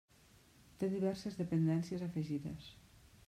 Té diverses dependències afegides.